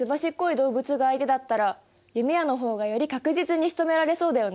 動物が相手だったら弓矢の方がより確実にしとめられそうだよね。